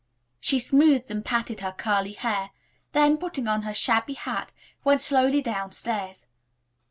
She smoothed and patted her curly hair, then putting on her shabby hat went slowly down stairs.